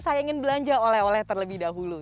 saya ingin belanja oleh oleh terlebih dahulu